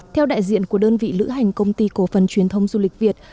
theo đại diện của đơn vị lữ hành công ty cổ phần truyền thông du lịch việt